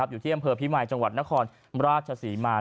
อยู่ที่อำเภอพิมายจังหวัดนครราชศรีมา